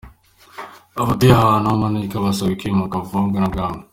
Abatuye ahantu h’amanegeka basabwe kwimuka vuba na bwangu